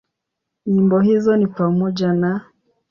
Nyimbo hizo ni pamoja na;